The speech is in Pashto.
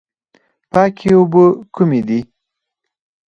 پاکې اوبه کومې دي؟